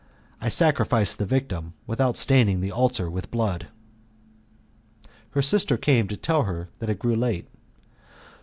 I sacrificed the victim without staining the altar with blood. Her sister came to tell her that it grew late.